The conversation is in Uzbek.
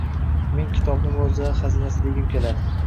Men kitobni mo‘jizalar xazinasi, degim keladi